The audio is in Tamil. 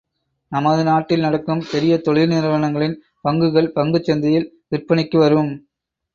நமது நாட்டில் நடக்கும் பெரிய தொழில் நிறுவனங்களின் பங்குகள் பங்குச் சந்தையில் விற்பனைக்கு வரும்.